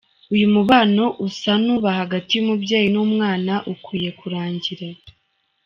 Uyu mubano usa n’uba hagati y’umubyeyi n’umwana ukwiye kurangira